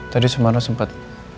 tadi sumarno sempat